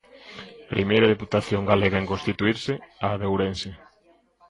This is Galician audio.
Primeira deputación galega en constituirse: a de Ourense.